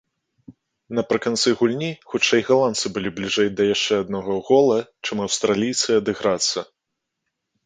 Напрыканцы гульні хутчэй галандцы былі бліжэй да яшчэ аднаго гола, чым аўстралійцы адыграцца.